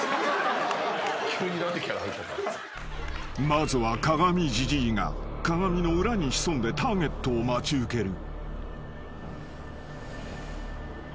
［まずは鏡じじいが鏡の裏に潜んでターゲットを待ち受ける］